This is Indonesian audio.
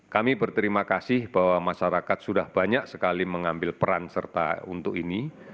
kami berterima kasih bahwa masyarakat sudah banyak sekali mengambil peran serta untuk ini